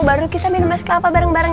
baru kita minum emas kelapa bareng bareng